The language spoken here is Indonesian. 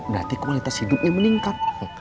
berarti kualitas hidupnya meningkat